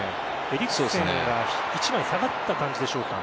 エリクセンが一枚下がった感じでしょうか。